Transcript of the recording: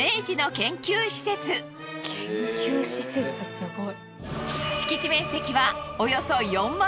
研究施設すごい。